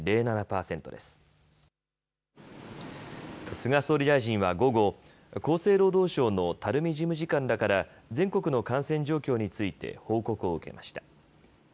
菅総理大臣は午後、厚生労働省の樽見事務次官らから全国の感染状況について報告を受けました。